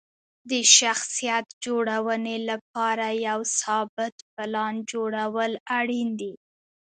د شخصیت جوړونې لپاره یو ثابت پلان جوړول اړین دي.